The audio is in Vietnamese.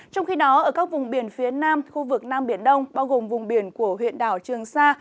trong khi đó ở các vùng biển phía nam khu vực nam biển đông bao gồm vùng biển của huyện đảo trường sa